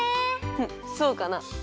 フッそうかな。